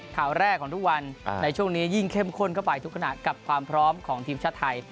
ข่าวแรกของทุกวันในช่วงนี้ยิ่งเข้มข้นเข้าไปทุกขณะกับความพร้อมของทีมชาติไทย